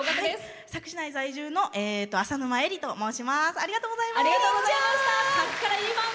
佐久市内在住のあさぬまと申します。